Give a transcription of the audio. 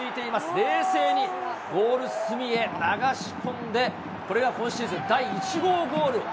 冷静にゴール隅へ流し込んで、これが今シーズン第１号ゴール。